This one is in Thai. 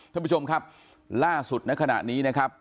ท่านผู้ชมครับล่าสุดในขณะนี้นะครับ